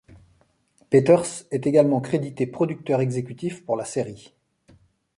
Peters est également crédité producteur exécutif pour la série.